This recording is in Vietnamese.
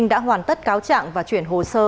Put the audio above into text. đã hoàn tất cáo trạng và chuyển hồ sơ